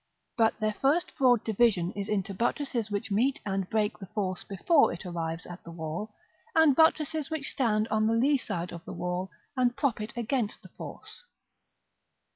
But their first broad division is into buttresses which meet and break the force before it arrives at the wall, and buttresses which stand on the lee side of the wall, and prop it against the force.